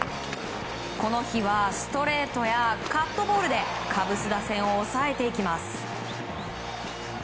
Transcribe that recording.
この日は、ストレートやカットボールでカブス打線を抑えていきます。